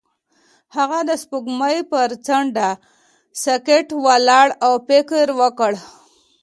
هغه د سپوږمۍ پر څنډه ساکت ولاړ او فکر وکړ.